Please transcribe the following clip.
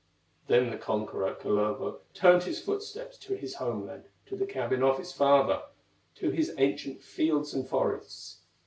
Then the conqueror, Kullervo, Turned his footsteps to his home land, To the cabin of his father, To his ancient fields and forests.